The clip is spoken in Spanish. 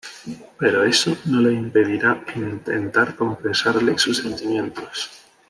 Pero eso no le impedirá intentar confesarle sus sentimientos.